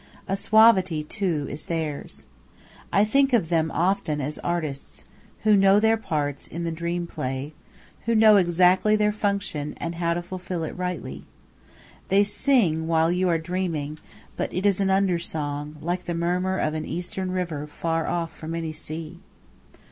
A suavity, too, is theirs. I think of them often as artists, who know their parts in the dream play, who know exactly their function, and how to fulfil it rightly. They sing, while you are dreaming, but it is an under song, like the murmur of an Eastern river far off from any sea.